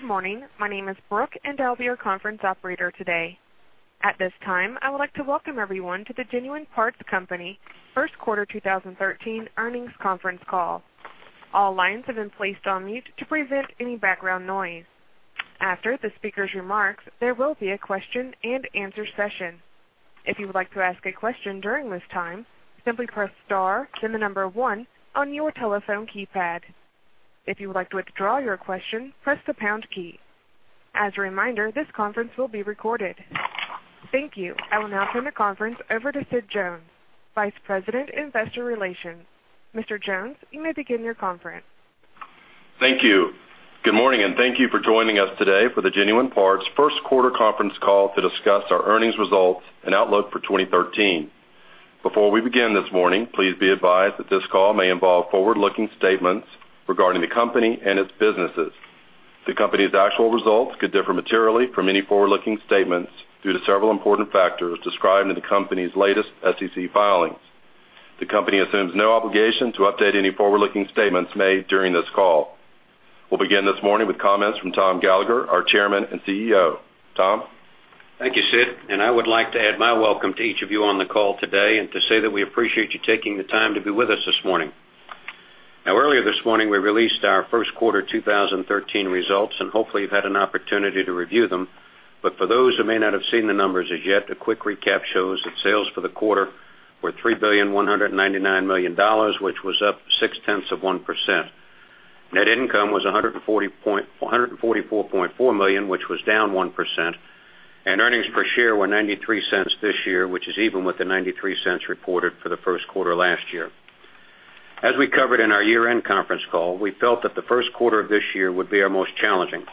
Good morning. My name is Brooke, and I'll be your conference operator today. At this time, I would like to welcome everyone to the Genuine Parts Company First Quarter 2013 Earnings Conference Call. All lines have been placed on mute to prevent any background noise. After the speaker's remarks, there will be a question-and-answer session. If you would like to ask a question during this time, simply press star then the number 1 on your telephone keypad. If you would like to withdraw your question, press the pound key. As a reminder, this conference will be recorded. Thank you. I will now turn the conference over to Sid Jones, Vice President, Investor Relations. Mr. Jones, you may begin your conference. Thank you. Good morning, and thank you for joining us today for the Genuine Parts First Quarter Conference Call to discuss our earnings results and outlook for 2013. Before we begin this morning, please be advised that this call may involve forward-looking statements regarding the company and its businesses. The company's actual results could differ materially from any forward-looking statements due to several important factors described in the company's latest SEC filings. The company assumes no obligation to update any forward-looking statements made during this call. We'll begin this morning with comments from Tom Gallagher, our Chairman and CEO. Tom? Thank you, Sid. I would like to add my welcome to each of you on the call today and to say that we appreciate you taking the time to be with us this morning. Earlier this morning, we released our first quarter 2013 results. Hopefully, you've had an opportunity to review them. For those who may not have seen the numbers as yet, a quick recap shows that sales for the quarter were $3.199 billion, which was up 0.6%. Net income was $144.4 million, which was down 1%. Earnings per share were $0.93 this year, which is even with the $0.93 reported for the first quarter last year. As we covered in our year-end conference call, we felt that the first quarter of this year would be our most challenging,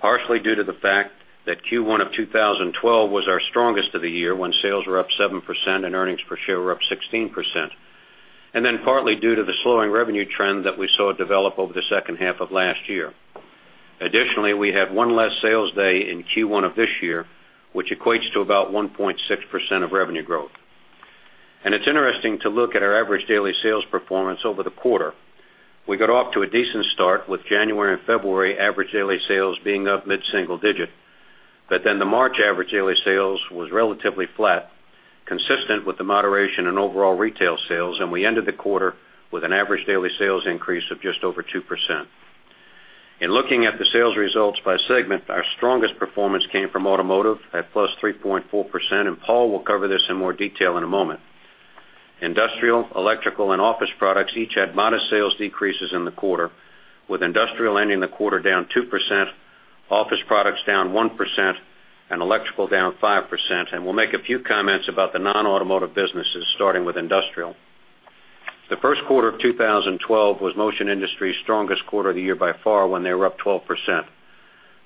partially due to the fact that Q1 of 2012 was our strongest of the year when sales were up 7% and earnings per share were up 16%. Partly due to the slowing revenue trend that we saw develop over the second half of last year. Additionally, we have 1 less sales day in Q1 of this year, which equates to about 1.6% of revenue growth. It's interesting to look at our average daily sales performance over the quarter. We got off to a decent start with January and February average daily sales being up mid-single digit. The March average daily sales was relatively flat, consistent with the moderation in overall retail sales, and we ended the quarter with an average daily sales increase of just over 2%. In looking at the sales results by segment, our strongest performance came from automotive at +3.4%, and Paul will cover this in more detail in a moment. Industrial, electrical, and office products each had modest sales decreases in the quarter, with industrial ending the quarter down 2%, office products down 1%, and electrical down 5%. We'll make a few comments about the non-automotive businesses, starting with industrial. The first quarter of 2012 was Motion Industries' strongest quarter of the year by far when they were up 12%.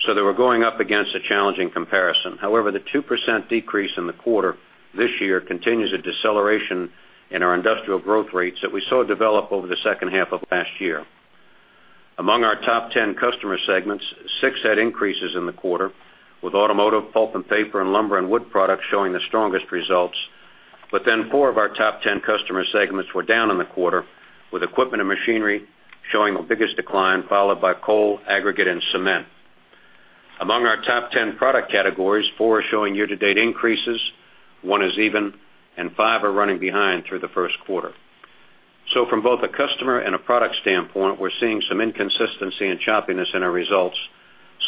They were going up against a challenging comparison. However, the 2% decrease in the quarter this year continues a deceleration in our industrial growth rates that we saw develop over the second half of last year. Among our top 10 customer segments, 6 had increases in the quarter, with automotive, pulp and paper, and lumber and wood products showing the strongest results. Four of our top 10 customer segments were down in the quarter, with equipment and machinery showing the biggest decline, followed by coal, aggregate, and cement. Among our top 10 product categories, 4 are showing year-to-date increases, 1 is even, and 5 are running behind through the first quarter. From both a customer and a product standpoint, we're seeing some inconsistency and choppiness in our results,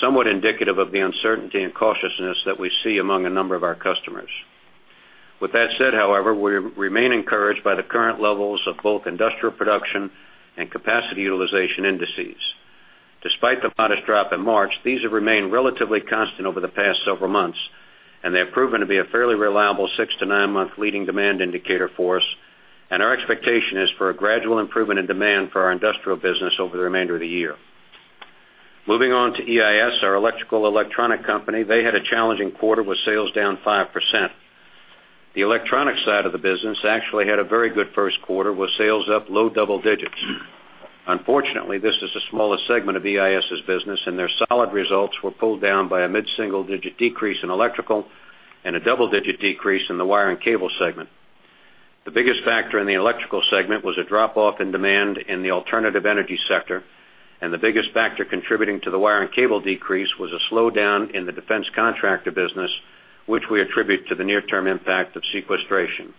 somewhat indicative of the uncertainty and cautiousness that we see among a number of our customers. With that said, however, we remain encouraged by the current levels of both industrial production and capacity utilization indices. Despite the modest drop in March, these have remained relatively constant over the past several months, and they have proven to be a fairly reliable six to nine-month leading demand indicator for us, and our expectation is for a gradual improvement in demand for our industrial business over the remainder of the year. Moving on to EIS, our electrical electronic company, they had a challenging quarter with sales down 5%. The electronic side of the business actually had a very good first quarter with sales up low double digits. Unfortunately, this is the smallest segment of EIS's business, and their solid results were pulled down by a mid-single-digit decrease in electrical and a double-digit decrease in the wire and cable segment. The biggest factor in the electrical segment was a drop-off in demand in the alternative energy sector, and the biggest factor contributing to the wire and cable decrease was a slowdown in the defense contractor business, which we attribute to the near-term impact of sequestration.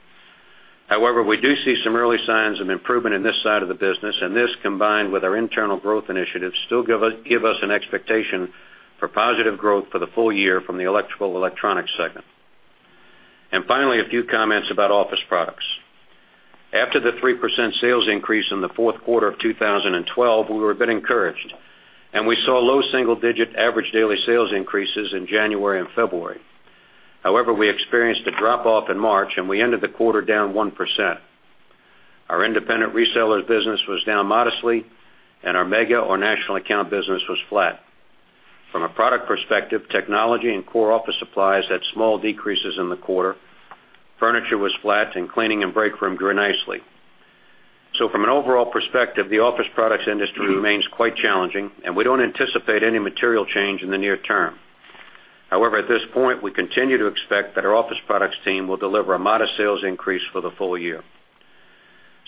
However, we do see some early signs of improvement in this side of the business, and this, combined with our internal growth initiatives, still give us an expectation for positive growth for the full year from the electrical electronics segment. A few comments about office products. After the 3% sales increase in the fourth quarter of 2012, we were a bit encouraged, and we saw low single-digit average daily sales increases in January and February. However, we experienced a drop-off in March, and we ended the quarter down 1%. Our independent resellers business was down modestly, and our mega or national account business was flat. From a product perspective, technology and core office supplies had small decreases in the quarter. Furniture was flat, and cleaning and breakroom grew nicely. From an overall perspective, the office products industry remains quite challenging, and we don't anticipate any material change in the near term. However, at this point, we continue to expect that our office products team will deliver a modest sales increase for the full year.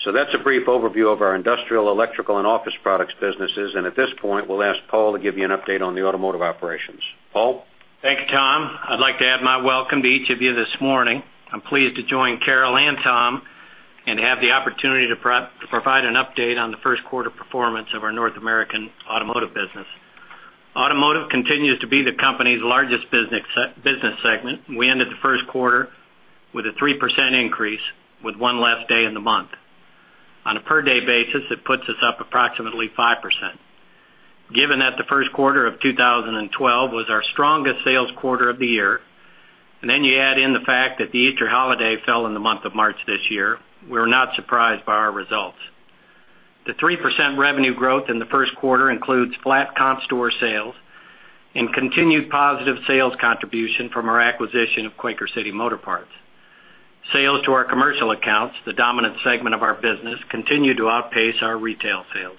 That's a brief overview of our industrial, electrical, and office products businesses. At this point, we'll ask Paul to give you an update on the automotive operations. Paul? Thank you, Tom. I'd like to add my welcome to each of you this morning. I'm pleased to join Carol and Tom, and have the opportunity to provide an update on the first quarter performance of our North American automotive business. Automotive continues to be the company's largest business segment. We ended the first quarter with a 3% increase with one last day in the month. On a per day basis, it puts us up approximately 5%. Given that the first quarter of 2012 was our strongest sales quarter of the year, and then you add in the fact that the Easter holiday fell in the month of March this year, we were not surprised by our results. The 3% revenue growth in the first quarter includes flat comp store sales and continued positive sales contribution from our acquisition of Quaker City Motor Parts. Sales to our commercial accounts, the dominant segment of our business, continued to outpace our retail sales.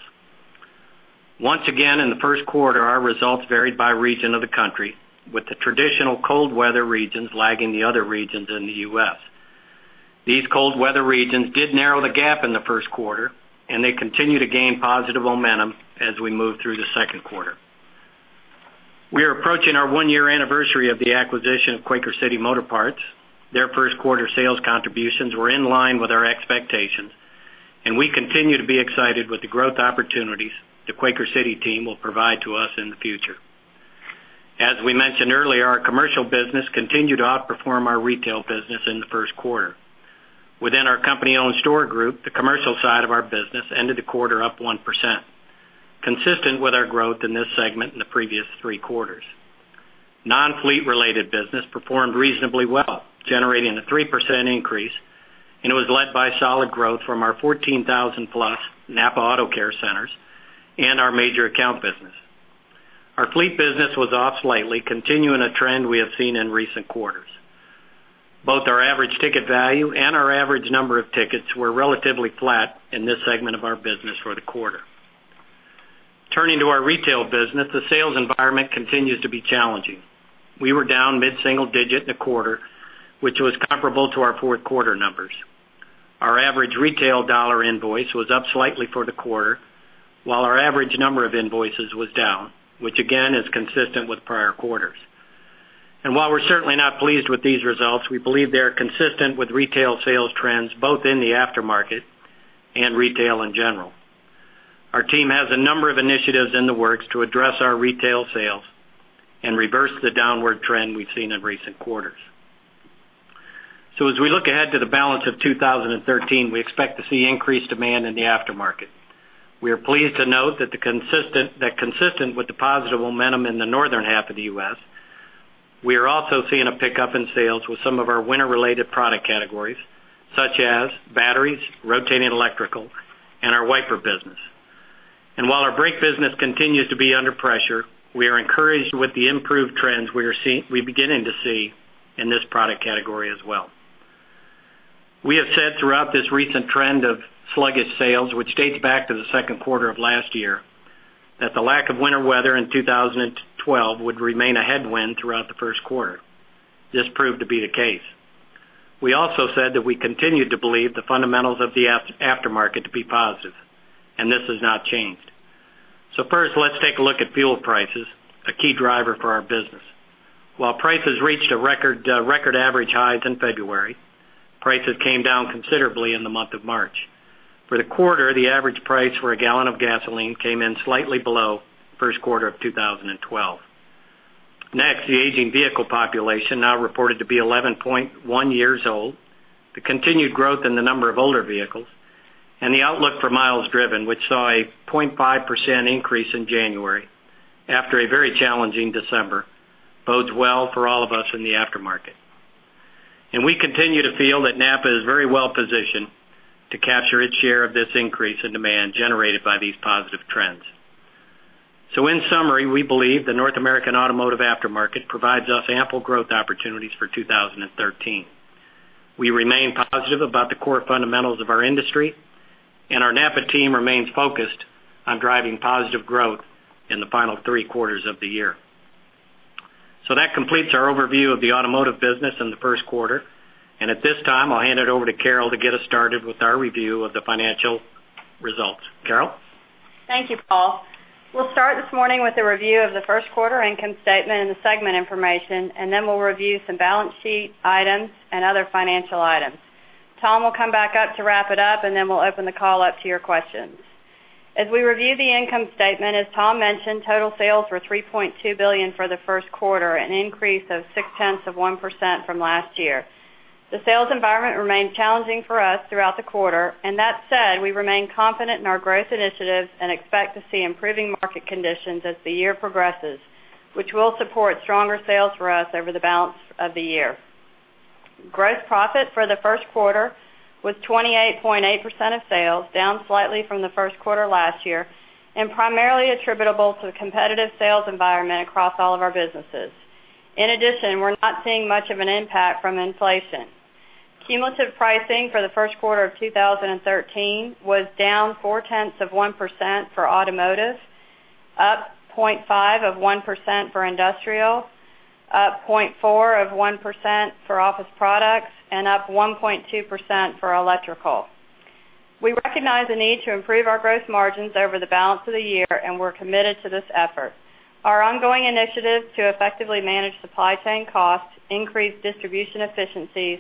Once again, in the first quarter, our results varied by region of the country, with the traditional cold weather regions lagging the other regions in the U.S. These cold weather regions did narrow the gap in the first quarter, and they continue to gain positive momentum as we move through the second quarter. We are approaching our one-year anniversary of the acquisition of Quaker City Motor Parts. Their first quarter sales contributions were in line with our expectations, and we continue to be excited with the growth opportunities the Quaker City team will provide to us in the future. As we mentioned earlier, our commercial business continued to outperform our retail business in the first quarter. Within our company-owned store group, the commercial side of our business ended the quarter up 1%, consistent with our growth in this segment in the previous three quarters. Non-fleet related business performed reasonably well, generating a 3% increase, and it was led by solid growth from our 14,000-plus NAPA Auto Care Centers and our major account business. Our fleet business was off slightly, continuing a trend we have seen in recent quarters. Both our average ticket value and our average number of tickets were relatively flat in this segment of our business for the quarter. Turning to our retail business, the sales environment continues to be challenging. We were down mid-single digit in the quarter, which was comparable to our fourth quarter numbers. Our average retail dollar invoice was up slightly for the quarter, while our average number of invoices was down, which again, is consistent with prior quarters. While we're certainly not pleased with these results, we believe they are consistent with retail sales trends both in the aftermarket and retail in general. Our team has a number of initiatives in the works to address our retail sales and reverse the downward trend we've seen in recent quarters. As we look ahead to the balance of 2013, we expect to see increased demand in the aftermarket. We are pleased to note that consistent with the positive momentum in the northern half of the U.S., we are also seeing a pickup in sales with some of our winter-related product categories, such as batteries, rotating electrical, and our wiper business. While our brake business continues to be under pressure, we are encouraged with the improved trends we're beginning to see in this product category as well. We have said throughout this recent trend of sluggish sales, which dates back to the second quarter of last year, that the lack of winter weather in 2012 would remain a headwind throughout the first quarter. This proved to be the case. We also said that we continued to believe the fundamentals of the aftermarket to be positive, and this has not changed. First, let's take a look at fuel prices, a key driver for our business. While prices reached record average highs in February, prices came down considerably in the month of March. For the quarter, the average price for a gallon of gasoline came in slightly below first quarter of 2012. Next, the aging vehicle population, now reported to be 11.1 years old, the continued growth in the number of older vehicles, and the outlook for miles driven, which saw a 0.5% increase in January after a very challenging December, bodes well for all of us in the aftermarket. We continue to feel that NAPA is very well-positioned to capture its share of this increase in demand generated by these positive trends. In summary, we believe the North American automotive aftermarket provides us ample growth opportunities for 2013. We remain positive about the core fundamentals of our industry, and our NAPA team remains focused on driving positive growth in the final three quarters of the year. That completes our overview of the automotive business in the first quarter. At this time, I'll hand it over to Carol to get us started with our review of the financial results. Carol? Thank you, Paul. We'll start this morning with a review of the first quarter income statement and the segment information, then we'll review some balance sheet items and other financial items. Tom will come back up to wrap it up, then we'll open the call up to your questions. As we review the income statement, as Tom mentioned, total sales were $3.2 billion for the first quarter, an increase of 0.6% from last year. The sales environment remained challenging for us throughout the quarter. That said, we remain confident in our growth initiatives and expect to see improving market conditions as the year progresses, which will support stronger sales for us over the balance of the year. Gross profit for the first quarter was 28.8% of sales, down slightly from the first quarter last year, primarily attributable to the competitive sales environment across all of our businesses. In addition, we're not seeing much of an impact from inflation. Cumulative pricing for the first quarter of 2013 was down 0.4% for automotive. Up 0.5 of 1% for industrial, up 0.4 of 1% for office products, and up 1.2% for electrical. We recognize the need to improve our gross margins over the balance of the year, we're committed to this effort. Our ongoing initiatives to effectively manage supply chain costs, increase distribution efficiencies,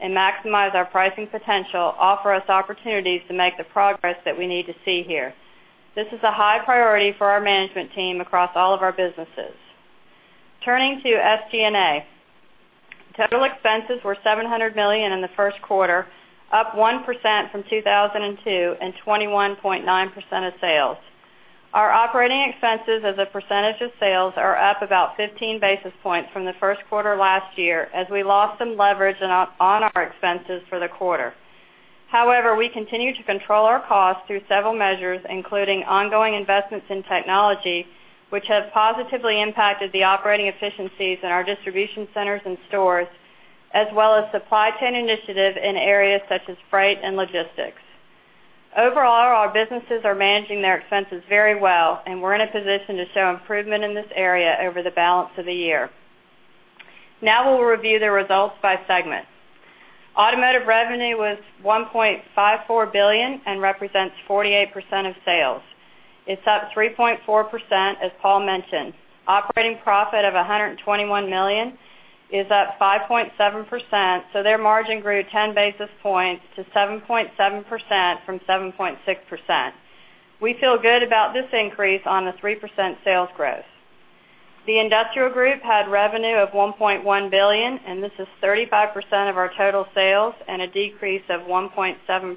and maximize our pricing potential offer us opportunities to make the progress that we need to see here. This is a high priority for our management team across all of our businesses. Turning to SG&A. Total expenses were $700 million in the first quarter, up 1% from 2012 and 21.9% of sales. Our operating expenses as a percentage of sales are up about 15 basis points from the first quarter last year, as we lost some leverage on our expenses for the quarter. However, we continue to control our costs through several measures, including ongoing investments in technology, which have positively impacted the operating efficiencies in our distribution centers and stores, as well as supply chain initiative in areas such as freight and logistics. Overall, our businesses are managing their expenses very well, we're in a position to show improvement in this area over the balance of the year. Now we'll review the results by segment. Automotive revenue was $1.54 billion and represents 48% of sales. It's up 3.4%, as Paul mentioned. Operating profit of $121 million is up 5.7%. Their margin grew 10 basis points to 7.7% from 7.6%. We feel good about this increase on the 3% sales growth. The industrial group had revenue of $1.1 billion, this is 35% of our total sales and a decrease of 1.7%.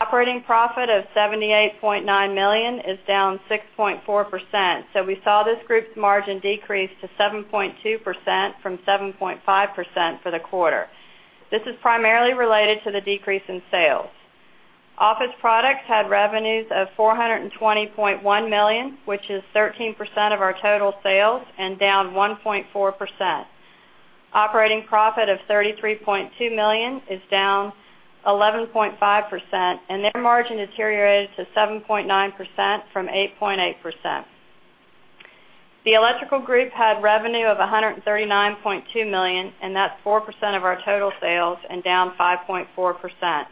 Operating profit of $78.9 million is down 6.4%. We saw this group's margin decrease to 7.2% from 7.5% for the quarter. This is primarily related to the decrease in sales. Office products had revenues of $420.1 million, which is 13% of our total sales and down 1.4%. Operating profit of $33.2 million is down 11.5%. Their margin deteriorated to 7.9% from 8.8%. The electrical group had revenue of $139.2 million, that's 4% of our total sales and down 5.4%.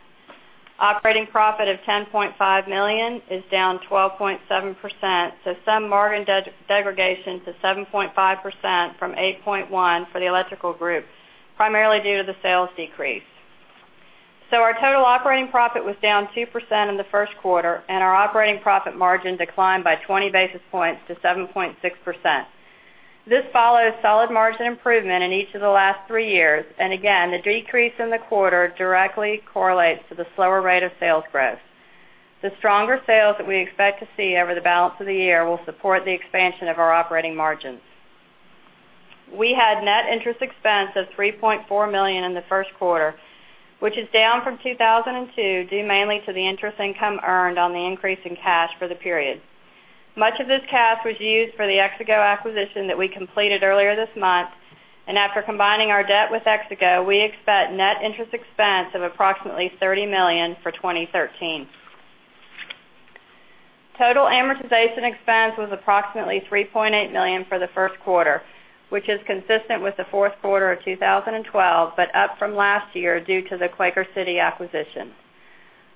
Operating profit of $10.5 million is down 12.7%. Some margin degradation to 7.5% from 8.1% for the electrical group, primarily due to the sales decrease. Our total operating profit was down 2% in the first quarter. Our operating profit margin declined by 20 basis points to 7.6%. This follows solid margin improvement in each of the last 3 years. Again, the decrease in the quarter directly correlates to the slower rate of sales growth. The stronger sales that we expect to see over the balance of the year will support the expansion of our operating margins. We had net interest expense of $3.4 million in the first quarter, which is down from 2012, due mainly to the interest income earned on the increase in cash for the period. Much of this cash was used for the Exego acquisition that we completed earlier this month. After combining our debt with Exego, we expect net interest expense of approximately $30 million for 2013. Total amortization expense was approximately $3.8 million for the first quarter, which is consistent with the fourth quarter of 2012, but up from last year due to the Quaker City acquisition.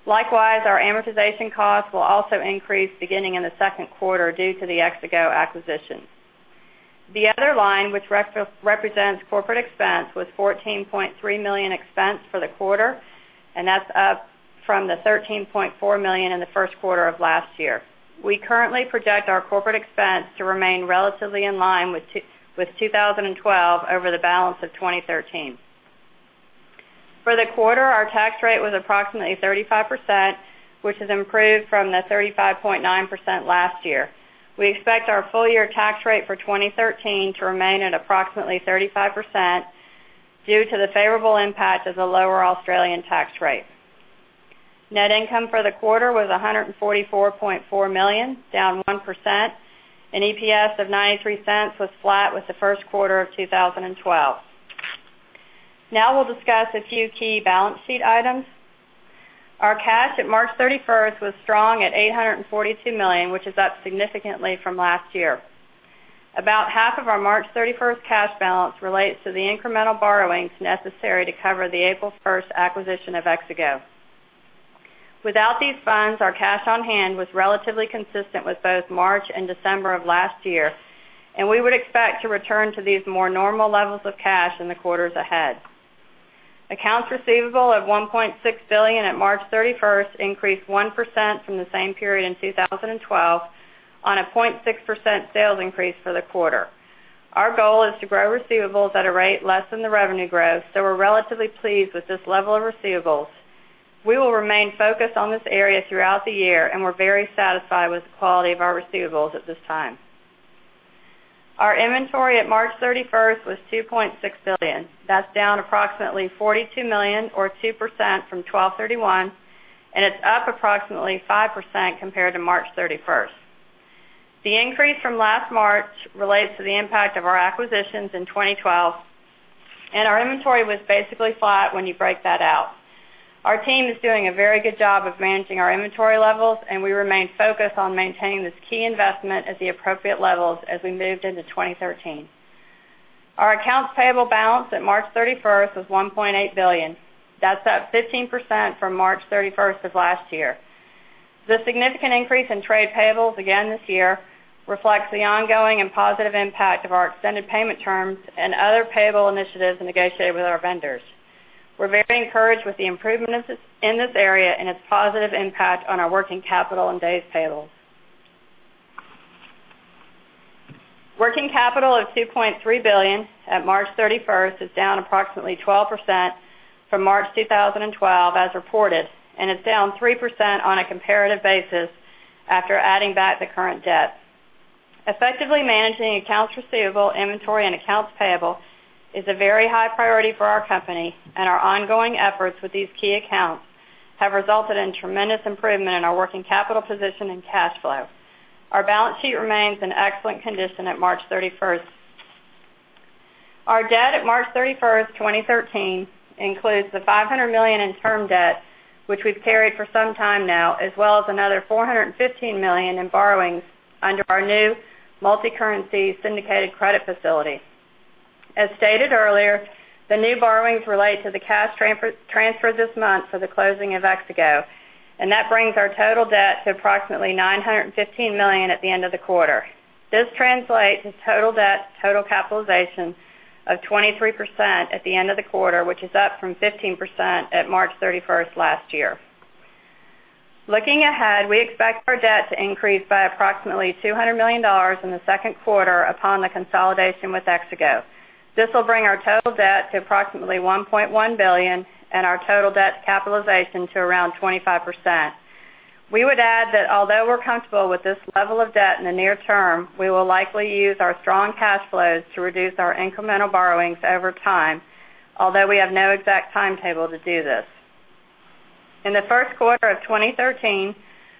Likewise, our amortization costs will also increase beginning in the second quarter due to the Exego acquisition. The other line, which represents corporate expense, was $14.3 million expense for the quarter. That's up from the $13.4 million in the first quarter of last year. We currently project our corporate expense to remain relatively in line with 2012 over the balance of 2013. For the quarter, our tax rate was approximately 35%, which has improved from the 35.9% last year. We expect our full year tax rate for 2013 to remain at approximately 35% due to the favorable impact of the lower Australian tax rate. Net income for the quarter was $144.4 million, down 1%. EPS of $0.93 was flat with the first quarter of 2012. Now we'll discuss a few key balance sheet items. Our cash at March 31st was strong at $842 million, which is up significantly from last year. About half of our March 31st cash balance relates to the incremental borrowings necessary to cover the April 1st acquisition of Exego. Without these funds, our cash on hand was relatively consistent with both March and December of last year. We would expect to return to these more normal levels of cash in the quarters ahead. Accounts receivable of $1.6 billion at March 31st increased 1% from the same period in 2012 on a 0.6% sales increase for the quarter. We're relatively pleased with this level of receivables. We will remain focused on this area throughout the year. We're very satisfied with the quality of our receivables at this time. Our inventory at March 31st was $2.6 billion. That's down approximately $42 million, or 2%, from 1231, and it's up approximately 5% compared to March 31st. The increase from last March relates to the impact of our acquisitions in 2012. Our inventory was basically flat when you break that out. Our team is doing a very good job of managing our inventory levels, and we remain focused on maintaining this key investment at the appropriate levels as we moved into 2013. Our accounts payable balance at March 31st was $1.8 billion. That's up 15% from March 31st of last year. The significant increase in trade payables again this year reflects the ongoing and positive impact of our extended payment terms and other payable initiatives negotiated with our vendors. We're very encouraged with the improvement in this area and its positive impact on our working capital and days payables. Working capital of $2.3 billion at March 31st is down approximately 12% from March 2012, as reported, and is down 3% on a comparative basis after adding back the current debt. Effectively managing accounts receivable, inventory, and accounts payable is a very high priority for our company, and our ongoing efforts with these key accounts have resulted in tremendous improvement in our working capital position and cash flow. Our balance sheet remains in excellent condition at March 31st. Our debt at March 31st, 2013, includes the $500 million in term debt, which we've carried for some time now, as well as another $415 million in borrowings under our new multi-currency syndicated credit facility. As stated earlier, the new borrowings relate to the cash transfer this month for the closing of Exego, and that brings our total debt to approximately $915 million at the end of the quarter. This translates to total debt, total capitalization of 23% at the end of the quarter, which is up from 15% at March 31st last year. Looking ahead, we expect our debt to increase by approximately $200 million in the second quarter upon the consolidation with Exego. This will bring our total debt to approximately $1.1 billion and our total debt capitalization to around 25%. We would add that although we're comfortable with this level of debt in the near term, we will likely use our strong cash flows to reduce our incremental borrowings over time, although we have no exact timetable to do this. In the first quarter of 2013,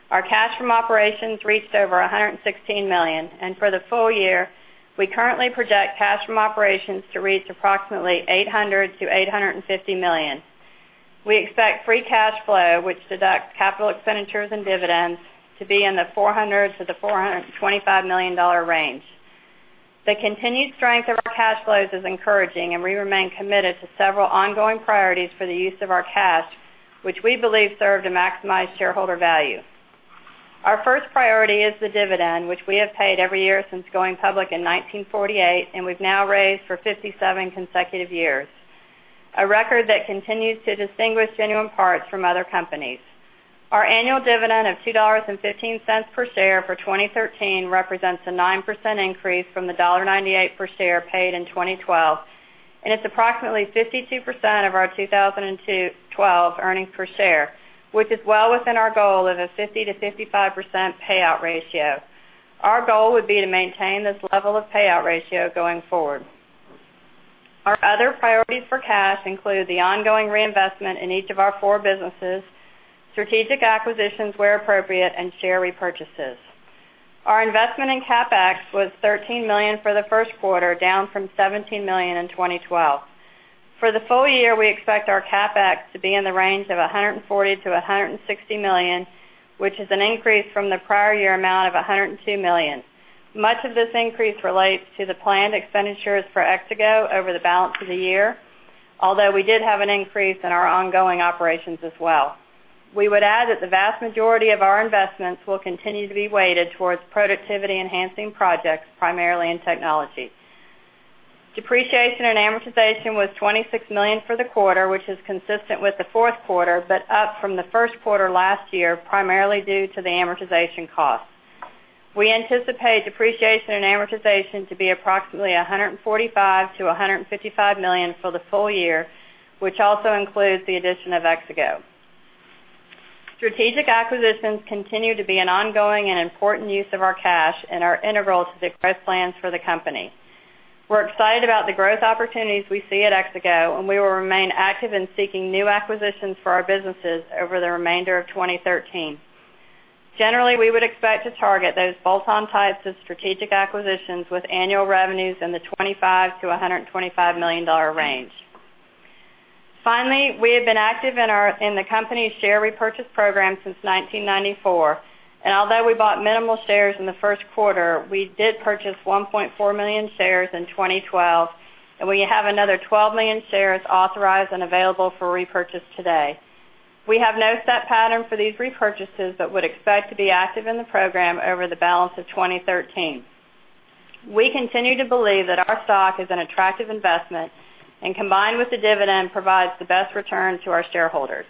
our cash from operations reached over $116 million, and for the full year, we currently project cash from operations to reach approximately $800 million-$850 million. We expect free cash flow, which deducts capital expenditures and dividends, to be in the $400 million-$425 million range. The continued strength of our cash flows is encouraging. We remain committed to several ongoing priorities for the use of our cash, which we believe serve to maximize shareholder value. Our first priority is the dividend, which we have paid every year since going public in 1948, and we've now raised for 57 consecutive years, a record that continues to distinguish Genuine Parts from other companies. Our annual dividend of $2.15 per share for 2013 represents a 9% increase from the $1.98 per share paid in 2012, and it's approximately 52% of our 2012 earnings per share, which is well within our goal of a 50%-55% payout ratio. Our goal would be to maintain this level of payout ratio going forward. Our other priorities for cash include the ongoing reinvestment in each of our four businesses, strategic acquisitions where appropriate, and share repurchases. Our investment in CapEx was $13 million for the first quarter, down from $17 million in 2012. For the full year, we expect our CapEx to be in the range of $140 million-$160 million, which is an increase from the prior year amount of $102 million. Much of this increase relates to the planned expenditures for Exego over the balance of the year. We did have an increase in our ongoing operations as well. We would add that the vast majority of our investments will continue to be weighted towards productivity-enhancing projects, primarily in technology. Depreciation and amortization was $26 million for the quarter, which is consistent with the fourth quarter, but up from the first quarter last year, primarily due to the amortization cost. We anticipate depreciation and amortization to be approximately $145 million-$155 million for the full year, which also includes the addition of Exego. Strategic acquisitions continue to be an ongoing and important use of our cash and are integral to the growth plans for the company. We're excited about the growth opportunities we see at Exego. We will remain active in seeking new acquisitions for our businesses over the remainder of 2013. Generally, we would expect to target those bolt-on types of strategic acquisitions with annual revenues in the $25 million-$125 million range. Finally, we have been active in the company's share repurchase program since 1994. Although we bought minimal shares in the first quarter, we did purchase 1.4 million shares in 2012. We have another 12 million shares authorized and available for repurchase today. We have no set pattern for these repurchases but would expect to be active in the program over the balance of 2013. We continue to believe that our stock is an attractive investment, combined with the dividend, provides the best return to our shareholders.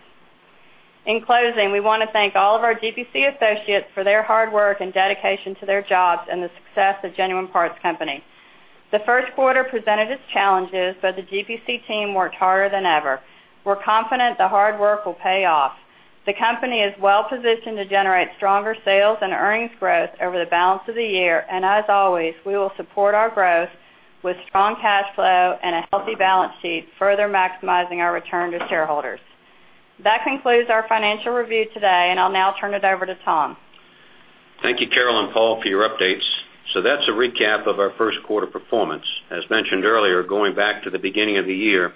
In closing, we want to thank all of our GPC associates for their hard work and dedication to their jobs and the success of Genuine Parts Company. The first quarter presented its challenges. The GPC team worked harder than ever. We're confident the hard work will pay off. The company is well-positioned to generate stronger sales and earnings growth over the balance of the year. As always, we will support our growth with strong cash flow and a healthy balance sheet, further maximizing our return to shareholders. That concludes our financial review today. I'll now turn it over to Tom. Thank you, Carol and Paul, for your updates. That's a recap of our first quarter performance. As mentioned earlier, going back to the beginning of the year,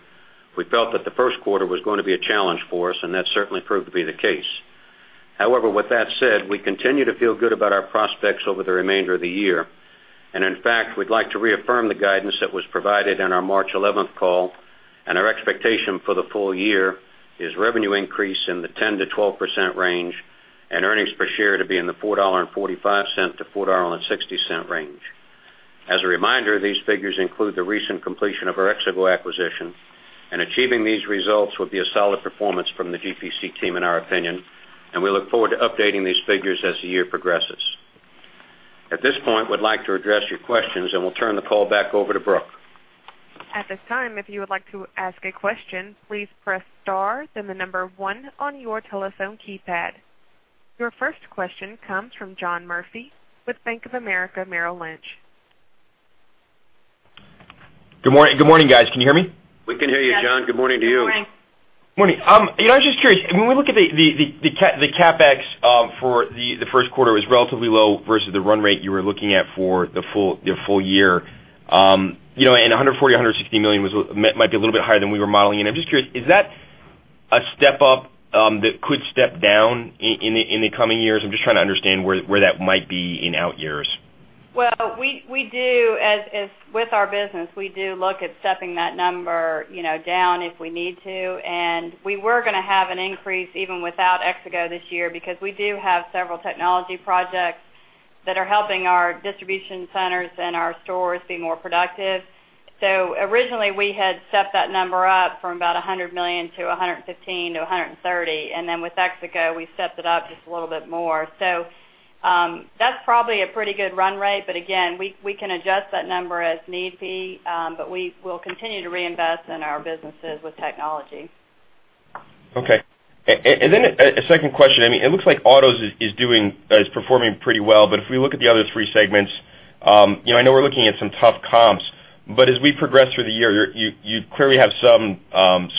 we felt that the first quarter was going to be a challenge for us, and that certainly proved to be the case. However, with that said, we continue to feel good about our prospects over the remainder of the year. In fact, we'd like to reaffirm the guidance that was provided on our March 11th call, and our expectation for the full year is revenue increase in the 10%-12% range and earnings per share to be in the $4.45-$4.60 range. As a reminder, these figures include the recent completion of our Exego acquisition. Achieving these results would be a solid performance from the GPC team in our opinion, and we look forward to updating these figures as the year progresses. At this point, we'd like to address your questions, and we'll turn the call back over to Brooke. At this time, if you would like to ask a question, please press star, then the number one on your telephone keypad. Your first question comes from John Murphy with Bank of America Merrill Lynch. Good morning, guys. Can you hear me? We can hear you, John. Good morning to you. Yes. Good morning. Morning. I was just curious, when we look at the CapEx for the first quarter was relatively low versus the run rate you were looking at for the full year. $140 million, $160 million might be a little bit higher than we were modeling. I'm just curious, is that a step up that could step down in the coming years? I'm just trying to understand where that might be in outyears. Well, with our business, we do look at stepping that number down if we need to. We were going to have an increase even without Exego this year because we do have several technology projects that are helping our distribution centers and our stores be more productive. Originally, we had set that number up from about $100 million to $115 million to $130 million. Then with Exego, we stepped it up just a little bit more. That's probably a pretty good run rate, but again, we can adjust that number as need be, but we will continue to reinvest in our businesses with technology. Okay. A second question. It looks like autos is performing pretty well, but if we look at the other three segments, I know we're looking at some tough comps, but as we progress through the year, you clearly have some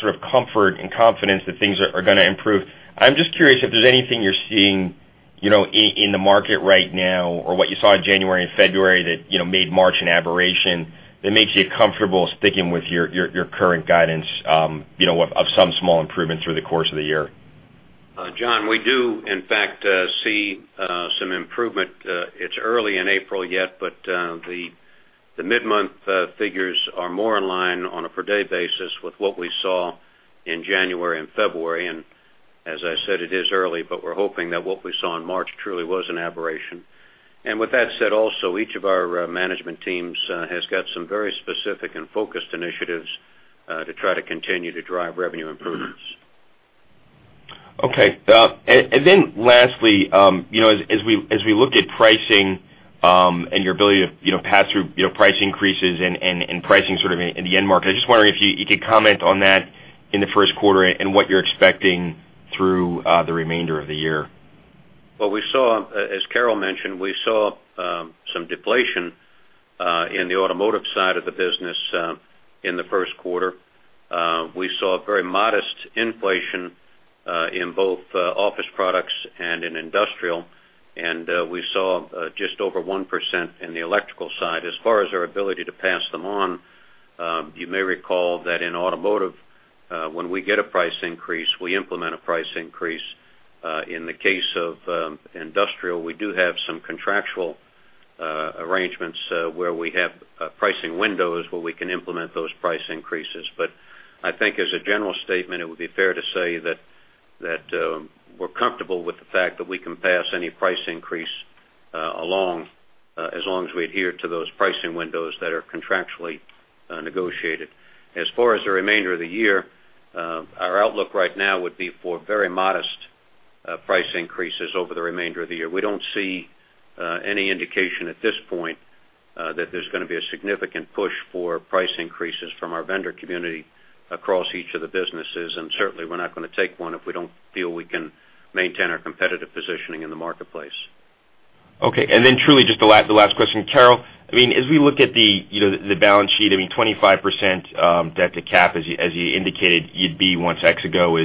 sort of comfort and confidence that things are going to improve. I'm just curious if there's anything you're seeing in the market right now or what you saw in January and February that made March an aberration that makes you comfortable sticking with your current guidance of some small improvement through the course of the year. John, we do in fact see some improvement. It's early in April yet, but the mid-month figures are more in line on a per day basis with what we saw in January and February. As I said, it is early, but we're hoping that what we saw in March truly was an aberration. With that said also, each of our management teams has got some very specific and focused initiatives to try to continue to drive revenue improvements. Okay. Lastly, as we look at pricing and your ability to pass through price increases and pricing sort of in the end market, I was just wondering if you could comment on that in the first quarter and what you're expecting through the remainder of the year. Well, as Carol mentioned, we saw some deflation in the automotive side of the business in the first quarter. We saw very modest inflation in both office products and in industrial, and we saw just over 1% in the electrical side. As far as our ability to pass them on, you may recall that in automotive, when we get a price increase, we implement a price increase. In the case of industrial, we do have some contractual arrangements where we have pricing windows where we can implement those price increases. I think as a general statement, it would be fair to say that we're comfortable with the fact that we can pass any price increase along, as long as we adhere to those pricing windows that are contractually negotiated. As far as the remainder of the year, our outlook right now would be for very modest price increases over the remainder of the year. We don't see any indication at this point that there's going to be a significant push for price increases from our vendor community across each of the businesses, certainly, we're not going to take one if we don't feel we can maintain our competitive positioning in the marketplace. Okay. Truly, just the last question. Carol, as we look at the balance sheet, 25% debt to cap, as you indicated you'd be once Exego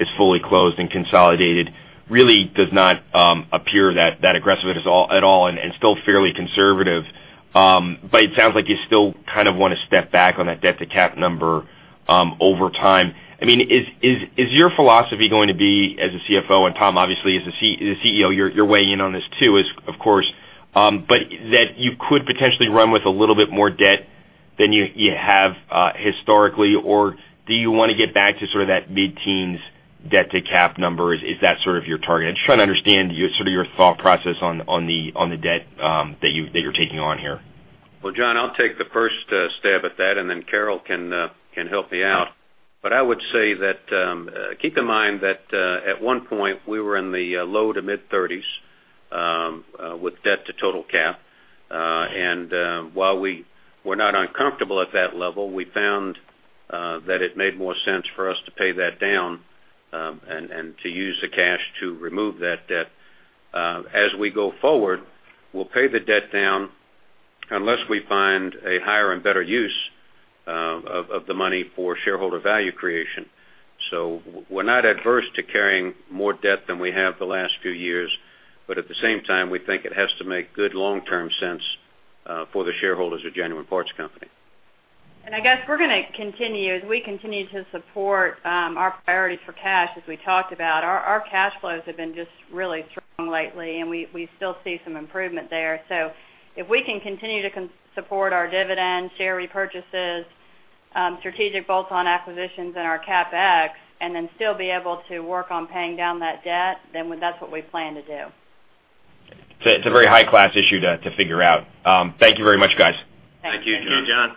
is fully closed and consolidated, really does not appear that aggressive at all and still fairly conservative. It sounds like you still kind of want to step back on that debt to cap number over time. Is your philosophy going to be as a CFO, and Tom, obviously, as the CEO, you're weighing in on this too of course, but that you could potentially run with a little bit more debt than you have historically, or do you want to get back to sort of that mid-teens debt to cap number? Is that sort of your target? I'm just trying to understand sort of your thought process on the debt that you're taking on here. Well, John, I'll take the first stab at that. Then Carol can help me out. I would say that keep in mind that at one point, we were in the low to mid-30s with debt to total cap. While we were not uncomfortable at that level, we found that it made more sense for us to pay that down and to use the cash to remove that debt. As we go forward, we'll pay the debt down unless we find a higher and better use of the money for shareholder value creation. We're not adverse to carrying more debt than we have the last few years, but at the same time, we think it has to make good long-term sense for the shareholders of Genuine Parts Company. I guess we're going to continue as we continue to support our priorities for cash, as we talked about. Our cash flows have been just really strong lately, and we still see some improvement there. If we can continue to support our dividend, share repurchases, strategic bolt-on acquisitions and our CapEx, then still be able to work on paying down that debt, then that's what we plan to do. It's a very high-class issue to figure out. Thank you very much, guys. Thank you. Thank you, John.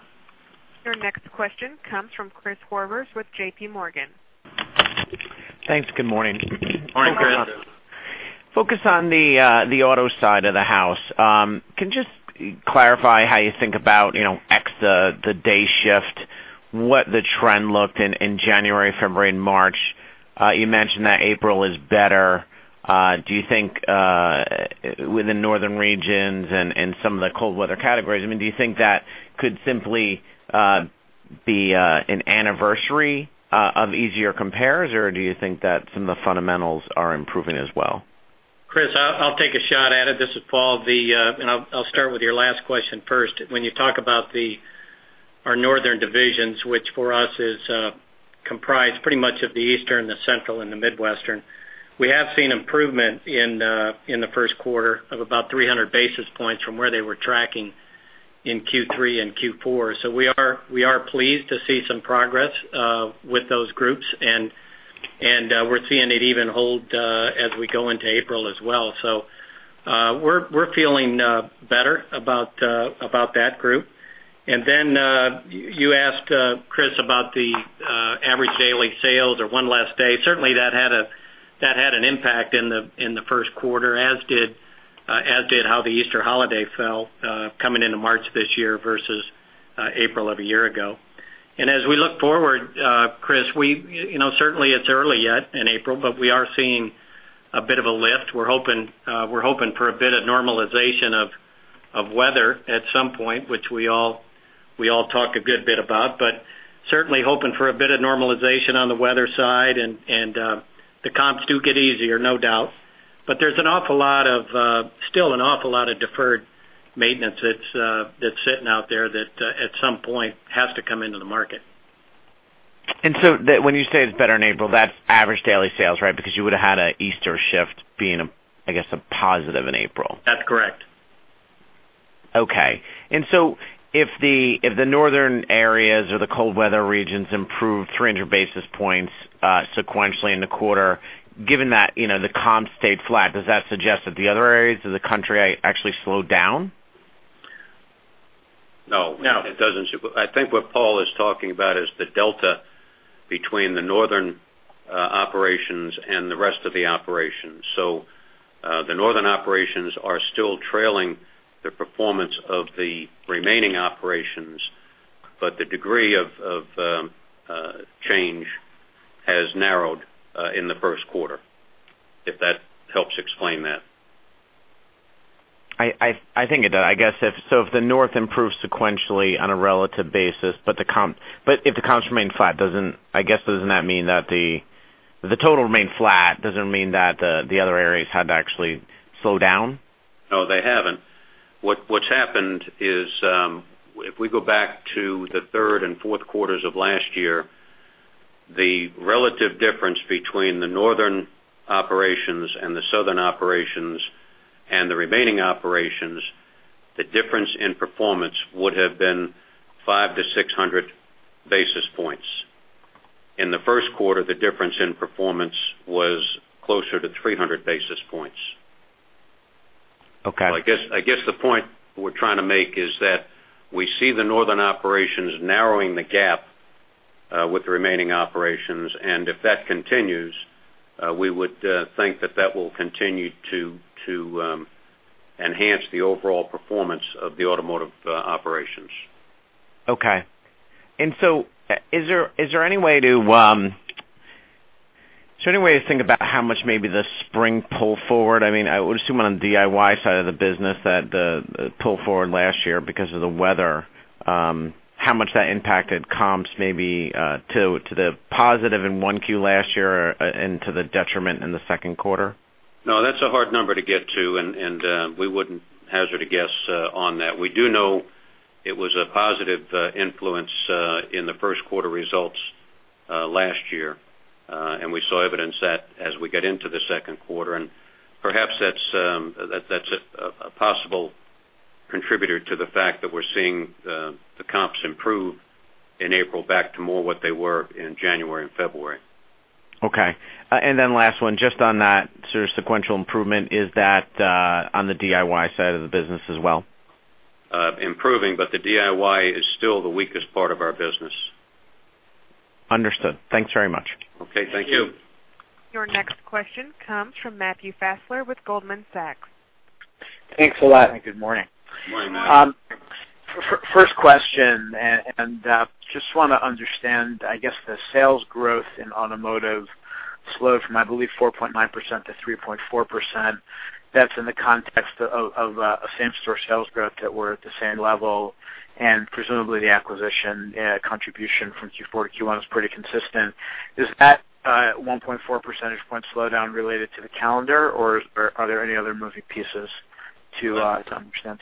Your next question comes from Christopher Horvers with JPMorgan. Thanks. Good morning. Morning, Chris. Focus on the auto side of the house. Can you just clarify how you think about, ex the date shift, what the trend looked in January, February, and March? You mentioned that April is better. Do you think within northern regions and some of the cold weather categories, do you think that could simply be an anniversary of easier compares, or do you think that some of the fundamentals are improving as well? Chris, I'll take a shot at it. This is Paul. I'll start with your last question first. When you talk about our northern divisions, which for us is comprised pretty much of the Eastern, the Central, and the Midwestern. We have seen improvement in the first quarter of about 300 basis points from where they were tracking in Q3 and Q4. We are pleased to see some progress with those groups, and we're seeing it even hold as we go into April as well. Then you asked, Chris, about the average daily sales or one last day. Certainly, that had an impact in the first quarter, as did how the Easter holiday fell coming into March this year versus April of a year ago. As we look forward, Chris, certainly it's early yet in April, we are seeing a bit of a lift. We're hoping for a bit of normalization of weather at some point, which we all talk a good bit about. Certainly hoping for a bit of normalization on the weather side and the comps do get easier, no doubt. There's still an awful lot of deferred maintenance that's sitting out there that at some point has to come into the market. When you say it's better in April, that's average daily sales, right? Because you would've had an Easter shift being, I guess, a positive in April. That's correct. If the northern areas or the cold weather regions improved 300 basis points sequentially in the quarter, given that the comps stayed flat, does that suggest that the other areas of the country actually slowed down? No. No. It doesn't. I think what Paul is talking about is the delta between the northern operations and the rest of the operations. The northern operations are still trailing the performance of the remaining operations, but the degree of change has narrowed in the first quarter, if that helps explain that. I think it does. I guess, if the north improves sequentially on a relative basis, if the comps remain flat, I guess doesn't that mean that the total remained flat, doesn't mean that the other areas had to actually slow down? No, they haven't. What's happened is, if we go back to the third and fourth quarters of last year, the relative difference between the northern operations and the southern operations and the remaining operations, the difference in performance would have been 500-600 basis points. In the first quarter, the difference in performance was closer to 300 basis points. Okay. I guess the point we're trying to make is that we see the northern operations narrowing the gap with the remaining operations, if that continues, we would think that that will continue to enhance the overall performance of the automotive operations. Okay. Is there any way to think about how much maybe the spring pull forward, I would assume on the DIY side of the business that the pull forward last year because of the weather, how much that impacted comps maybe to the positive in Q1 last year or into the detriment in the second quarter? No, that's a hard number to get to, and we wouldn't hazard a guess on that. We do know it was a positive influence in the first quarter results last year. We saw evidence that as we get into the second quarter, and perhaps that's a possible contributor to the fact that we're seeing the comps improve in April back to more what they were in January and February. Okay. Last one, just on that sort of sequential improvement, is that on the DIY side of the business as well? Improving, the DIY is still the weakest part of our business. Understood. Thanks very much. Okay. Thank you. Your next question comes from Matthew Fassler with Goldman Sachs. Thanks a lot. Good morning. Good morning, Matt. First question, just want to understand, I guess the sales growth in automotive slowed from, I believe, 4.9% to 3.4%. That's in the context of same-store sales growth that were at the same level, and presumably the acquisition contribution from Q4 to Q1 was pretty consistent. Is that 1.4 percentage point slowdown related to the calendar, or are there any other moving pieces to understand?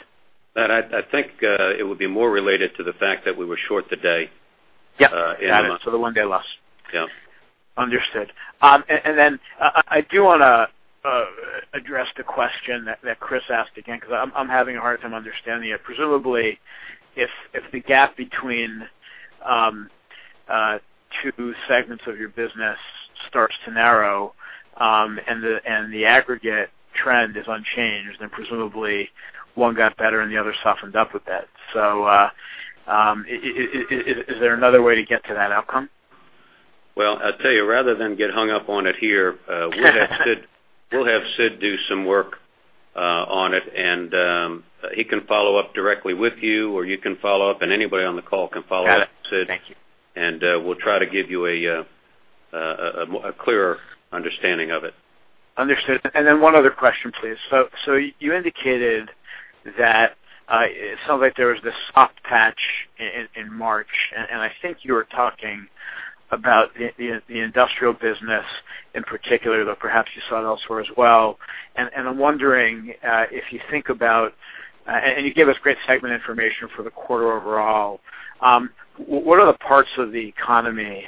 I think it would be more related to the fact that we were short the day. Yeah. Got it. The one day less. Yeah. Understood. I do want to address the question that Chris asked again, because I'm having a hard time understanding it. Presumably, if the gap between two segments of your business starts to narrow, and the aggregate trend is unchanged, presumably one got better and the other softened up a bit. Is there another way to get to that outcome? Well, I'll tell you, rather than get hung up on it here, we'll have Sid do some work on it, and he can follow up directly with you, or you can follow up, and anybody on the call can follow that. Got it. Thank you. We'll try to give you a clearer understanding of it. Understood. One other question, please. You indicated that it sounds like there was this soft patch in March, and I think you were talking about the industrial business in particular, though perhaps you saw it elsewhere as well. I'm wondering if you think about and you gave us great segment information for the quarter overall. What are the parts of the economy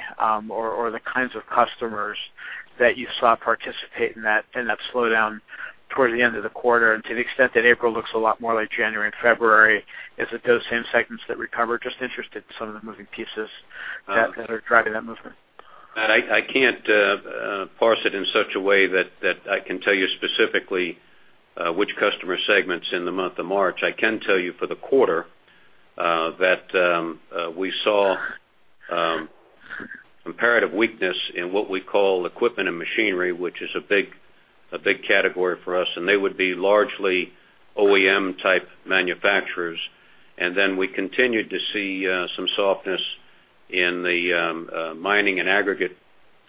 or the kinds of customers that you saw participate in that slowdown towards the end of the quarter? To the extent that April looks a lot more like January and February, is it those same segments that recover? Just interested in some of the moving pieces that are driving that movement. I can't parse it in such a way that I can tell you specifically which customer segments in the month of March. I can tell you for the quarter that we saw apparent weakness in what we call equipment and machinery, which is a big category for us, and they would be largely OEM-type manufacturers. We continued to see some softness in the mining and aggregate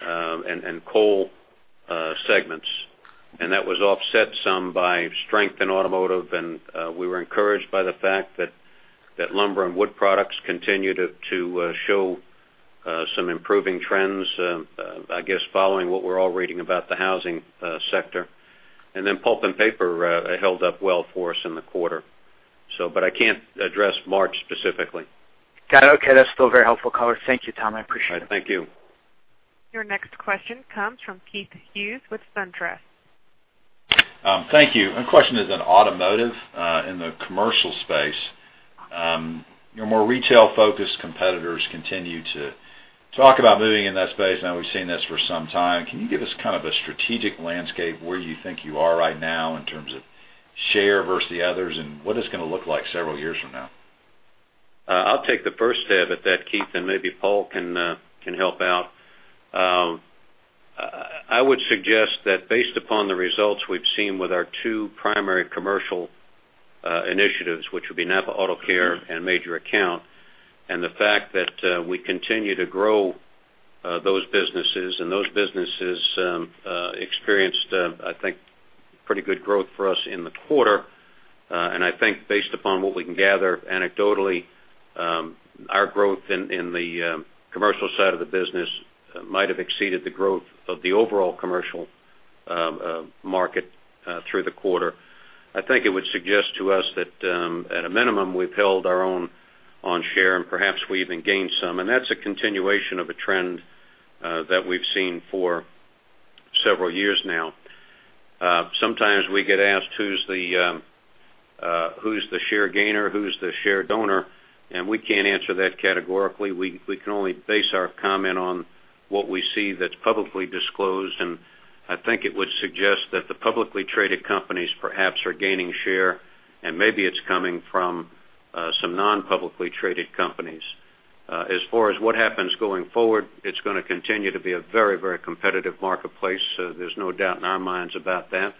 and coal segments. That was offset some by strength in automotive, and we were encouraged by the fact that lumber and wood products continued to show some improving trends, I guess, following what we're all reading about the housing sector. Pulp and paper held up well for us in the quarter. I can't address March specifically. Got it. Okay. That's still a very helpful color. Thank you, Tom. I appreciate it. Thank you. Your next question comes from Keith Hughes with SunTrust. Thank you. My question is on automotive in the commercial space. Your more retail-focused competitors continue to talk about moving in that space. We've seen this for some time. Can you give us kind of a strategic landscape where you think you are right now in terms of share versus the others, and what it's going to look like several years from now? I'll take the first stab at that, Keith, and maybe Paul can help out. I would suggest that based upon the results we've seen with our two primary commercial initiatives, which would be NAPA Auto Care and Major Account, the fact that we continue to grow those businesses, those businesses experienced, I think, pretty good growth for us in the quarter. I think based upon what we can gather anecdotally, our growth in the commercial side of the business might have exceeded the growth of the overall commercial market through the quarter. I think it would suggest to us that at a minimum, we've held our own on share and perhaps we even gained some. That's a continuation of a trend that we've seen for several years now. Sometimes we get asked, who's the share gainer? Who's the share donor? We can't answer that categorically. We can only base our comment on what we see that's publicly disclosed, I think it would suggest that the publicly traded companies perhaps are gaining share, maybe it's coming from some non-publicly traded companies. As far as what happens going forward, it's going to continue to be a very competitive marketplace. There's no doubt in our minds about that.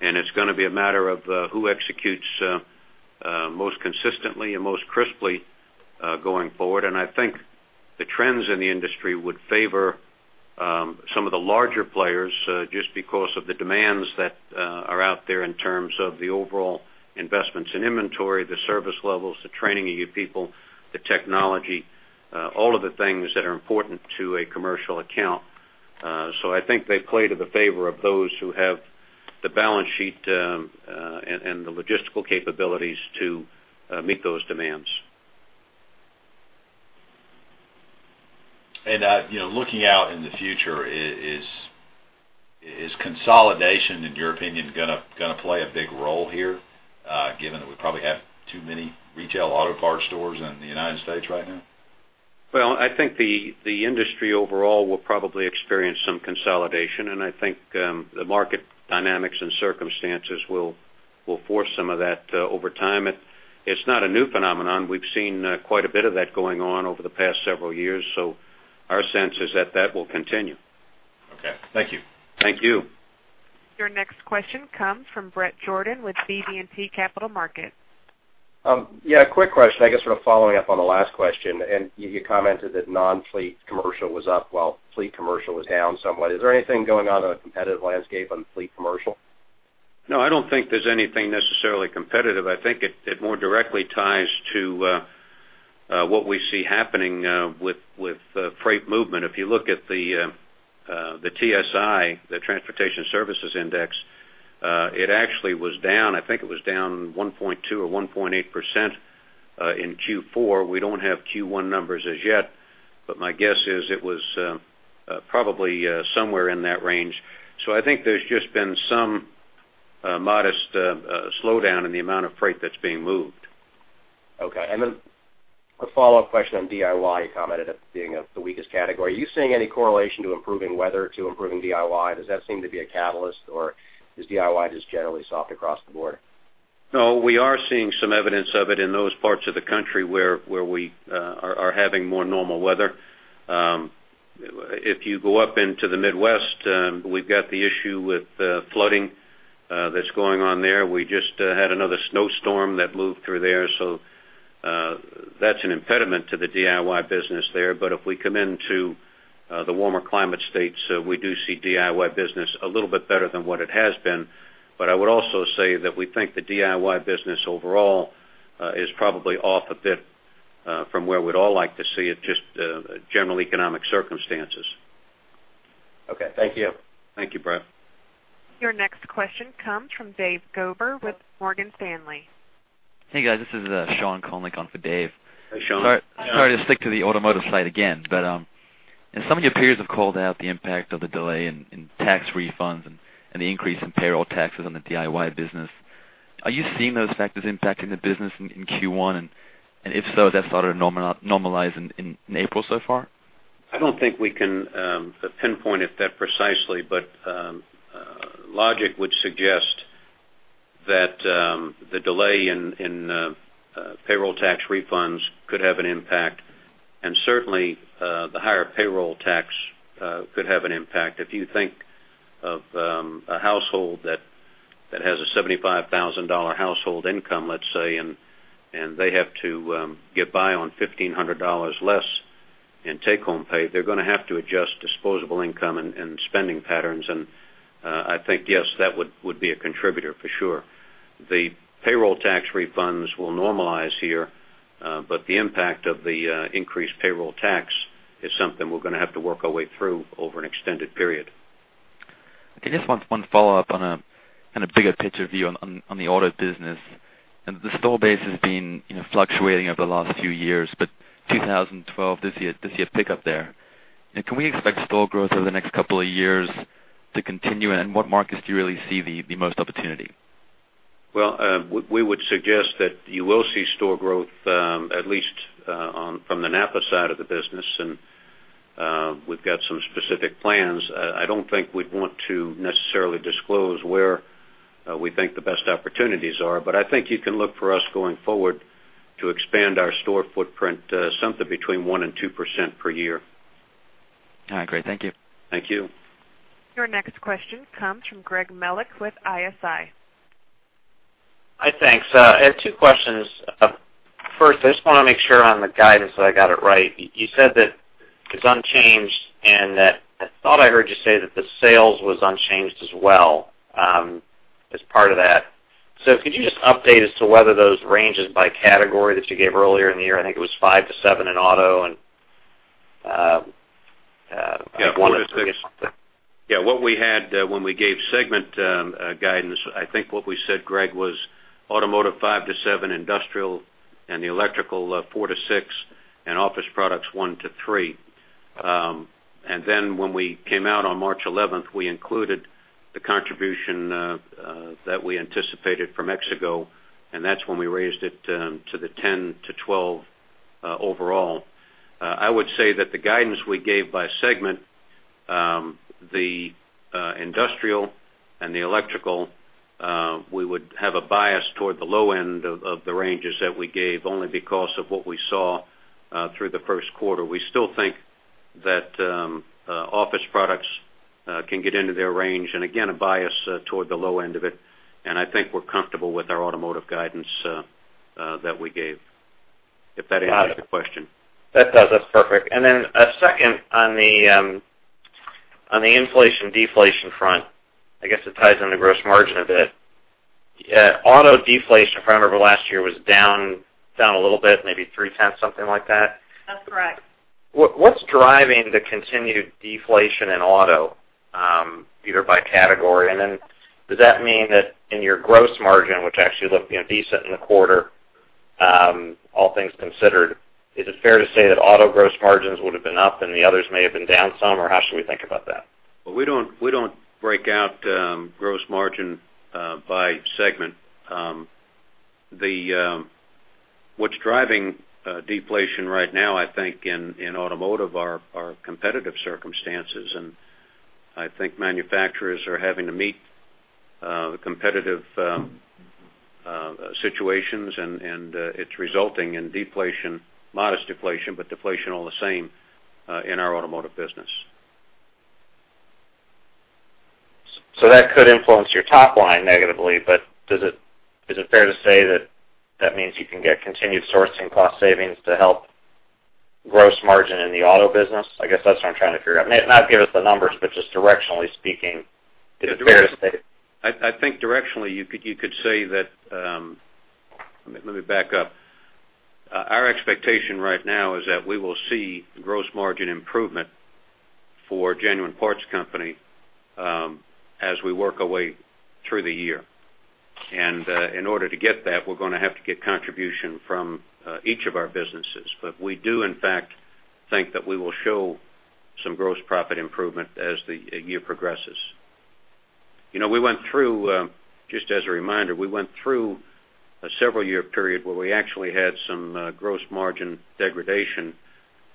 It's going to be a matter of who executes most consistently and most crisply going forward. I think the trends in the industry would favor some of the larger players just because of the demands that are out there in terms of the overall investments in inventory, the service levels, the training of your people, the technology, all of the things that are important to a commercial account. I think they play to the favor of those who have the balance sheet and the logistical capabilities to meet those demands. Looking out in the future, is consolidation, in your opinion, going to play a big role here, given that we probably have too many retail auto parts stores in the United States right now? Well, I think the industry overall will probably experience some consolidation, and I think the market dynamics and circumstances will force some of that over time. It's not a new phenomenon. We've seen quite a bit of that going on over the past several years. Our sense is that that will continue. Okay. Thank you. Thank you. Your next question comes from Bret Jordan with BB&T Capital Markets. Yeah, a quick question, I guess sort of following up on the last question, you commented that non-fleet commercial was up while fleet commercial was down somewhat. Is there anything going on in the competitive landscape on fleet commercial? No, I don't think there's anything necessarily competitive. I think it more directly ties to what we see happening with freight movement. If you look at the TSI, the Transportation Services Index, it actually was down. I think it was down 1.2% or 1.8% in Q4. We don't have Q1 numbers as yet, but my guess is it was probably somewhere in that range. I think there's just been some modest slowdown in the amount of freight that's being moved. Okay. Then a follow-up question on DIY. You commented it being the weakest category. Are you seeing any correlation to improving weather to improving DIY? Does that seem to be a catalyst, or is DIY just generally soft across the board? No, we are seeing some evidence of it in those parts of the country where we are having more normal weather. If you go up into the Midwest, we've got the issue with flooding that's going on there. We just had another snowstorm that moved through there, so that's an impediment to the DIY business there. If we come into the warmer climate states, we do see DIY business a little bit better than what it has been. I would also say that we think the DIY business overall is probably off a bit from where we'd all like to see it, just general economic circumstances. Okay. Thank you. Thank you, Bret. Your next question comes from David Gober with Morgan Stanley. Hey, guys. This is Sean calling on for Dave. Hey, Sean. Sorry to stick to the automotive side again, but some of your peers have called out the impact of the delay in tax refunds and the increase in payroll taxes on the DIY business. Are you seeing those factors impacting the business in Q1? If so, that started to normalize in April so far? I don't think we can pinpoint it that precisely, but logic would suggest that the delay in payroll tax refunds could have an impact, and certainly the higher payroll tax could have an impact. If you think of a household that has a $75,000 household income, let's say, and they have to get by on $1,500 less in take-home pay, they're going to have to adjust disposable income and spending patterns. I think, yes, that would be a contributor for sure. The payroll tax refunds will normalize here, but the impact of the increased payroll tax is something we're going to have to work our way through over an extended period. Okay. Just one follow-up on a kind of bigger picture view on the auto business. The store base has been fluctuating over the last few years, but 2012, do you see a pickup there? Can we expect store growth over the next couple of years to continue? In what markets do you really see the most opportunity? Well, we would suggest that you will see store growth at least from the NAPA side of the business, and we've got some specific plans. I don't think we'd want to necessarily disclose where we think the best opportunities are, but I think you can look for us going forward to expand our store footprint something between 1% and 2% per year. All right, great. Thank you. Thank you. Your next question comes from Greg Melich with ISI. Hi, thanks. I have two questions. First, I just want to make sure on the guidance that I got it right. You said that it's unchanged and that I thought I heard you say that the sales was unchanged as well as part of that. Could you just update us to whether those ranges by category that you gave earlier in the year? I think it was 5%-7% in auto and- Yeah, 4%-6%. What we had when we gave segment guidance, I think what we said, Greg, was automotive 5%-7%, industrial and the electrical 4%-6%, and office products 1%-3%. When we came out on March 11th, we included the contribution that we anticipated from Exego, and that's when we raised it to the 10%-12% overall. I would say that the guidance we gave by segment, the industrial and the electrical, we would have a bias toward the low end of the ranges that we gave, only because of what we saw through the first quarter. We still think that office products can get into their range, and again, a bias toward the low end of it. I think we're comfortable with our automotive guidance that we gave, if that answers your question. That does. That's perfect. A second on the inflation deflation front. I guess it ties into gross margin a bit. Auto deflation, if I remember last year, was down a little bit, maybe three tenths, something like that? That's correct. What's driving the continued deflation in Auto, either by category? Then does that mean that in your gross margin, which actually looked decent in the quarter, all things considered, is it fair to say that Auto gross margins would have been up and the others may have been down some, or how should we think about that? Well, we don't break out gross margin by segment. What's driving deflation right now, I think, in automotive are competitive circumstances, and I think manufacturers are having to meet competitive situations, and it's resulting in modest deflation, but deflation all the same in our automotive business. That could influence your top line negatively, is it fair to say that that means you can get continued sourcing cost savings to help gross margin in the auto business? I guess that's what I'm trying to figure out. Not give us the numbers, just directionally speaking, is it fair to say? I think directionally, you could say that. Let me back up. Our expectation right now is that we will see gross margin improvement for Genuine Parts Company as we work our way through the year. In order to get that, we're going to have to get contribution from each of our businesses. We do, in fact, think that we will show some gross profit improvement as the year progresses. Just as a reminder, we went through a several-year period where we actually had some gross margin degradation,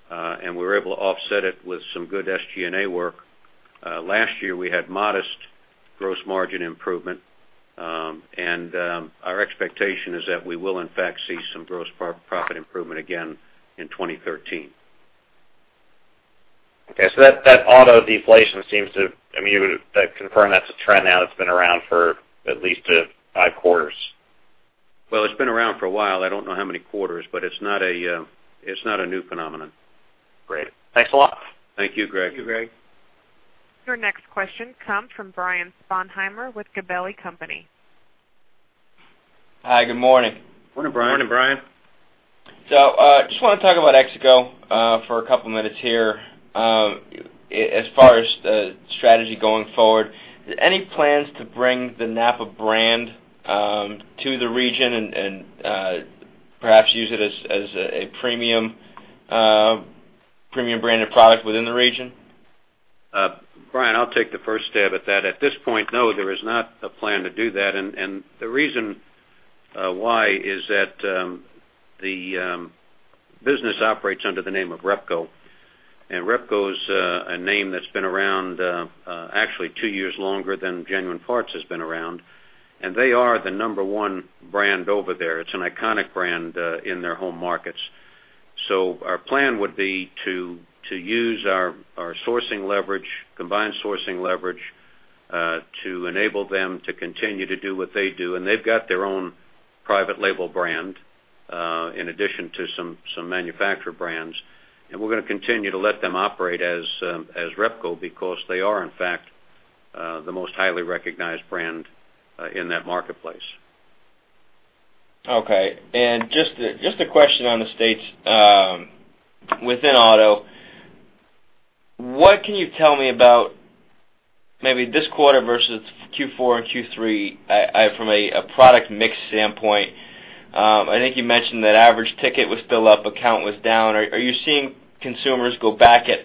and we were able to offset it with some good SG&A work. Last year, we had modest gross margin improvement. Our expectation is that we will in fact see some gross profit improvement again in 2013. Okay. That auto deflation seems to. You would confirm that's a trend now that's been around for at least five quarters? It's been around for a while. I don't know how many quarters, it's not a new phenomenon. Great. Thanks a lot. Thank you, Greg. Thank you, Greg. Your next question comes from Brian Sponheimer with Gabelli & Company. Hi, good morning. Morning, Brian. Morning, Brian. Just want to talk about Exego for a couple minutes here. As far as the strategy going forward, any plans to bring the NAPA brand to the region and perhaps use it as a premium branded product within the region? Brian, I'll take the first stab at that. At this point, no, there is not a plan to do that. The reason why is that the business operates under the name of Repco, and Repco's a name that's been around actually two years longer than Genuine Parts has been around. They are the number 1 brand over there. It's an iconic brand in their home markets. Our plan would be to use our combined sourcing leverage to enable them to continue to do what they do. They've got their own private label brand in addition to some manufacturer brands. We're going to continue to let them operate as Repco because they are, in fact, the most highly recognized brand in that marketplace. Okay. Just a question on the States. Within auto, what can you tell me about maybe this quarter versus Q4 and Q3 from a product mix standpoint? I think you mentioned that average ticket was still up, account was down. Are you seeing some of your customers go back at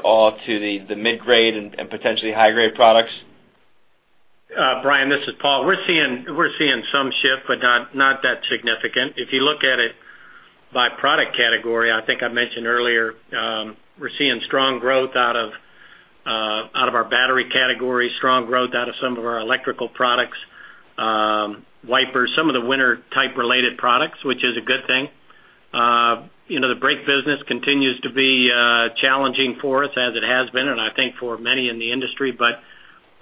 all to the mid-grade and potentially high-grade products? Brian, this is Paul. We're seeing some shift, but not that significant. If you look at it by product category, I think I mentioned earlier we're seeing strong growth out of our battery category, strong growth out of some of our electrical products, wipers, some of the winter type related products, which is a good thing. The brake business continues to be challenging for us, as it has been, and I think for many in the industry.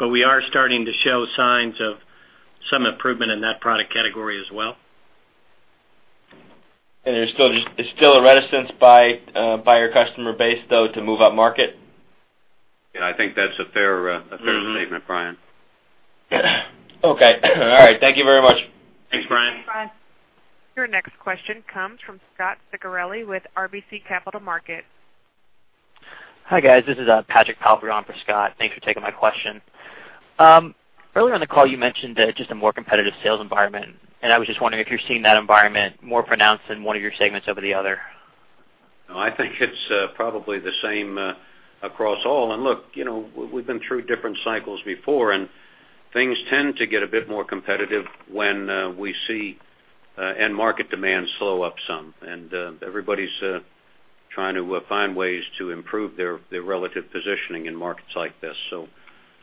We are starting to show signs of some improvement in that product category as well. There's still a reticence by your customer base, though, to move up market? Yeah, I think that's a fair statement, Brian. Okay. All right. Thank you very much. Thanks, Brian. Thanks, Brian. Your next question comes from Scot Ciccarelli with RBC Capital Markets. Hi, guys. This is Patrick Palfrey on for Scot. Thanks for taking my question. Earlier in the call, you mentioned just a more competitive sales environment. I was just wondering if you're seeing that environment more pronounced in one of your segments over the other. No, I think it's probably the same across all. Look, we've been through different cycles before, and things tend to get a bit more competitive when we see end market demand slow up some. Everybody's trying to find ways to improve their relative positioning in markets like this.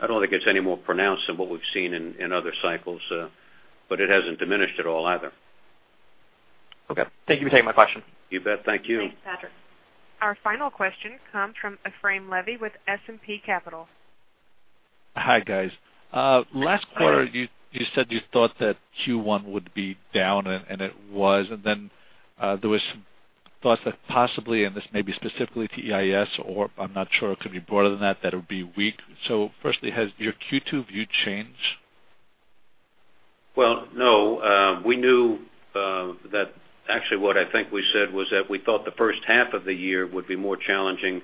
I don't think it's any more pronounced than what we've seen in other cycles, but it hasn't diminished at all either. Okay. Thank you for taking my question. You bet. Thank you. Thanks, Patrick. Our final question comes from Efraim Levy with S&P Capital. Hi, guys. Last quarter, you said you thought that Q1 would be down, and it was. Then there was some thoughts that possibly, and this may be specifically to EIS or I'm not sure, it could be broader than that it would be weak. Firstly, has your Q2 view changed? Well, no. We knew that actually what I think we said was that we thought the first half of the year would be more challenging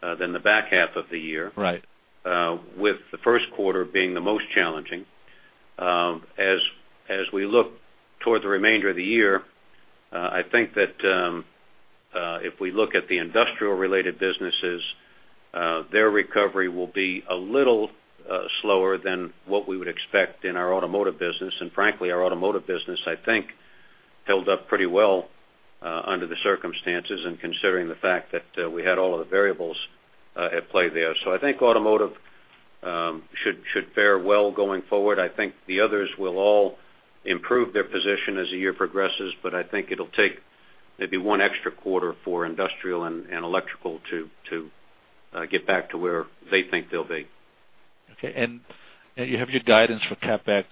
than the back half of the year. Right. With the first quarter being the most challenging. As we look toward the remainder of the year, I think that if we look at the industrial-related businesses, their recovery will be a little slower than what we would expect in our automotive business. Frankly, our automotive business, I think, held up pretty well under the circumstances and considering the fact that we had all of the variables at play there. I think automotive should fare well going forward. I think the others will all improve their position as the year progresses, I think it'll take maybe one extra quarter for industrial and electrical to get back to where they think they'll be. Okay. You have your guidance for CapEx,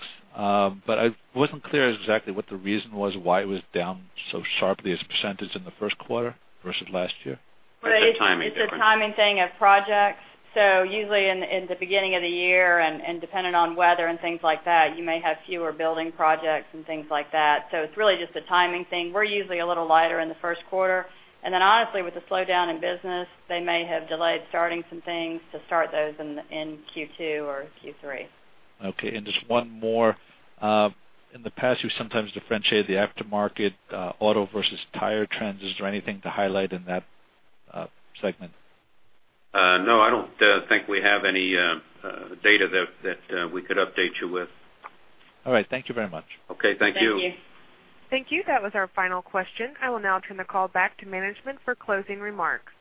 but I wasn't clear exactly what the reason was why it was down so sharply as percentage in the first quarter versus last year. It's a timing difference. It's a timing thing of projects. Usually in the beginning of the year and dependent on weather and things like that, you may have fewer building projects and things like that. It's really just a timing thing. We're usually a little lighter in the first quarter. Honestly, with the slowdown in business, they may have delayed starting some things to start those in Q2 or Q3. Okay. Just one more. In the past, you sometimes differentiate the aftermarket auto versus tire trends. Is there anything to highlight in that segment? No, I don't think we have any data that we could update you with. All right. Thank you very much. Okay. Thank you. Thank you. Thank you. That was our final question. I will now turn the call back to management for closing remarks.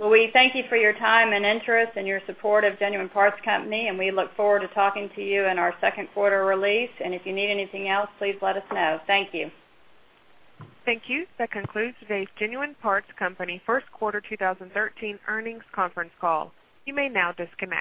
Well, we thank you for your time and interest and your support of Genuine Parts Company, and we look forward to talking to you in our second quarter release. If you need anything else, please let us know. Thank you. Thank you. That concludes today's Genuine Parts Company First Quarter 2013 Earnings Conference Call. You may now disconnect.